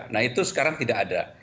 nah itu sekarang tidak ada